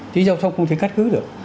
chứ giao thông không thể cát cứ được